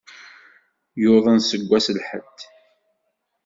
Yuḍen seg wass lḥedd.